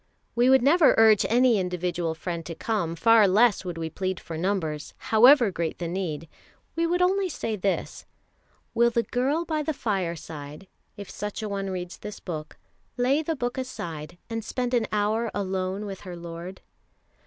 We would never urge any individual friend to come, far less would we plead for numbers, however great the need; we would only say this: Will the girl by the fireside, if such a one reads this book, lay the book aside, and spend an hour alone with her Lord?